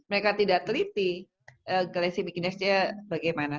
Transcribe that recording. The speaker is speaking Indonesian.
mereka tidak teliti galensia bikinensia bagaimana